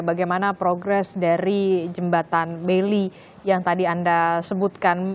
bagaimana progres dari jembatan baili yang tadi anda sebutkan